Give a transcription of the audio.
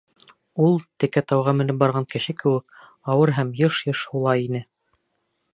Ул, текә тауға менеп барған кеше кеүек, ауыр һәм йыш-йыш һулай ине.